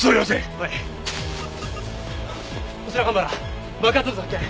こちら蒲原爆発物発見。